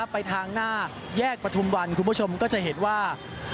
ไปทางหน้าแยกประทุมวันคุณผู้ชมก็จะเห็นว่า